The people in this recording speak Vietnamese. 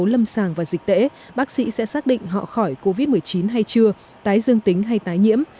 những yếu tố lâm sàng và dịch tễ bác sĩ sẽ xác định họ khỏi covid một mươi chín hay chưa tái dương tính hay tái nhiễm